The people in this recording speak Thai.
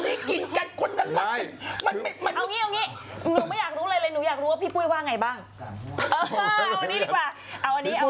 เอาอันนี้